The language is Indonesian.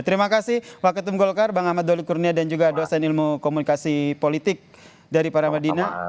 terima kasih wakil tum golkar bang ahmad dolly kurnia dan juga dosen ilmu komunikasi politik dari para madinah